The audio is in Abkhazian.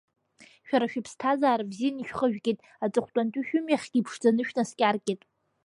Шәара шәыԥсҭазара бзиан ишәхыжәгеит, аҵыхәтәантәи шәымҩахьгьы иԥшӡаны шәнаскьаргеит.